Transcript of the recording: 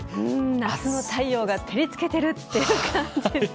夏の太陽が照りつけているという感じですね。